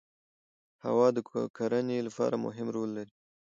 هوا د کرنې لپاره مهم رول لري